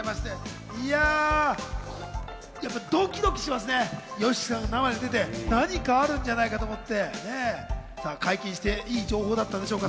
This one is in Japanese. ドキドキしますね、ＹＯＳＨＩＫＩさんが生で出て、何かあるんじゃないかと思って、解禁していい情報だったんでしょうか？